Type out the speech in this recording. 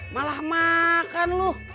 malah makan lo